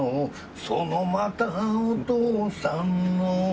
「そのまたお父さんの」